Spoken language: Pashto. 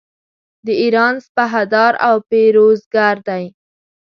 د ایران سپهدار او پیروزګر دی.